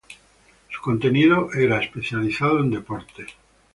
Su contenido era especializado en deportes.